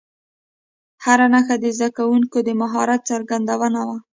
هره نښه د زده کوونکو د مهارت څرګندونه وه.